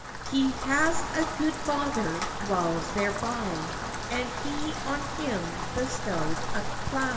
He has a god vather dwells there by, And he on him bestowed a plow.